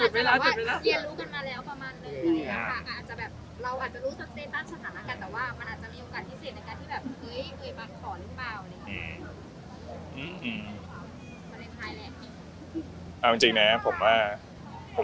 ช่องอาจรู้ว่าเรียนรู้กันมาแล้วประมาณนึง